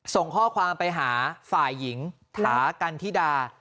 ส่งข้อความไปหาฝ่ายหญิงถากันธิดา